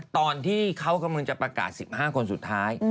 ตอนที่เขากำลังจะประกาศ๑๕คนสุดท้าย